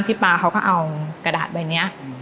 พี่ป่าเขาก็เอากระดาษใบเนี้ย